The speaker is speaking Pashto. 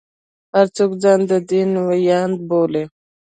هر څوک ځان د دین ویاند بولي.